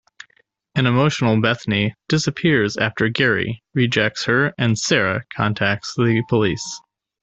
An emotional Bethany disappears after Gary rejects her and Sarah contacts the police.